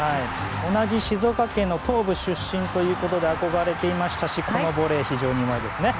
同じ静岡県の東部出身ということで憧れていましたしこのボレー非常にうまいですね。